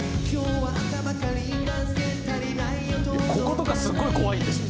「こことかすごい怖いんですよ」